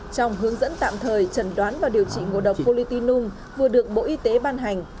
trong hướng dẫn tạm thời trần đoán và điều trị ngộ độc polytinum vừa được bộ y tế ban hành